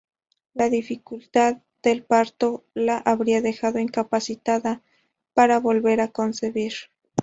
La dificultad del parto la habría dejado incapacitada para volver a concebir.